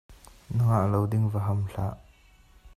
Na ngah lo ding mi va ham hlah!